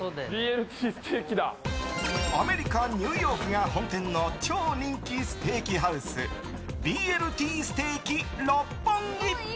アメリカ・ニューヨークが本店の超人気ステーキハウスＢＬＴＳＴＥＡＫ六本木。